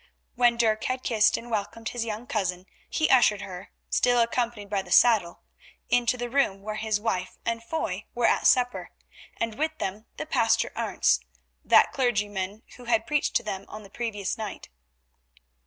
When Dirk had kissed and welcomed his young cousin he ushered her, still accompanied by the saddle, into the room where his wife and Foy were at supper, and with them the Pastor Arentz, that clergyman who had preached to them on the previous night.